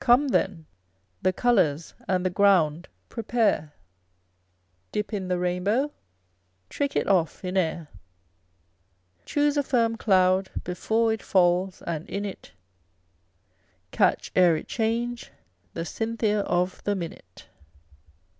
Come then, the colours and the ground prepare, Dip in the rainbow, trick it off in air ; Choose a firm cloud, before it falls, and in it Catch, ere it change, the Cynthia of the minute.